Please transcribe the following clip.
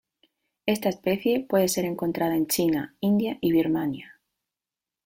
Esta especie puede ser encontrada en China, India y Birmania.